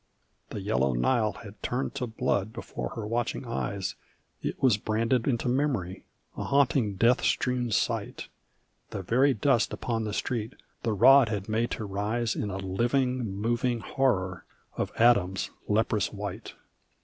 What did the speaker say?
The yellow Nile had turned to blood before her watching eyes It was branded into memory a haunting death strewn sight; The very dust upon the street the rod had made to rise In a living moving horror, of atoms, leprous white.